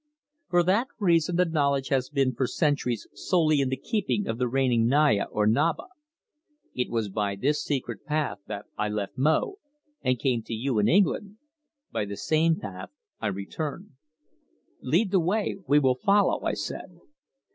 For that reason the knowledge has been for centuries solely in the keeping of the reigning Naya or Naba. It was by this secret path that I left Mo and came to you in England; by the same path I return." "Lead the way. We will follow," I said.